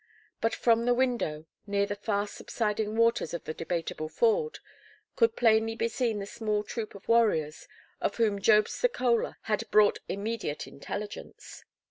But from the window, near the fast subsiding waters of the Debateable Ford, could plainly be seen the small troop of warriors, of whom Jobst the Kohler had brought immediate intelligence.